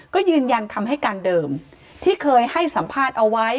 ก็ยืนยันคำให้การเดิมที่เคยให้สัมภาษณ์เอาไว้